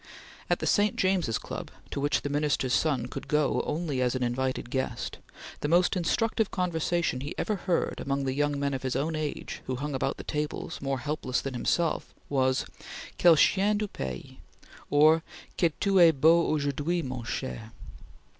At the St. James's Club, to which the Minister's son could go only as an invited guest, the most instructive conversation he ever heard among the young men of his own age who hung about the tables, more helpless than himself, was: "Quel chien de pays!" or, "Que tu es beau aujourd'hui, mon cher!"